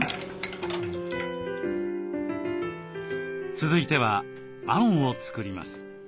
続いてはあんを作ります。